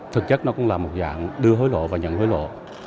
thực chất nó cũng là một dạng đưa hối lộ và nhận hối lộ